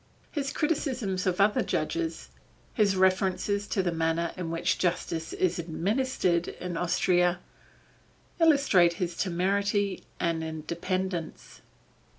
His criticisms of other judges, his references to the manner in which justice is administered in Austria, illustrate his temerity and independence.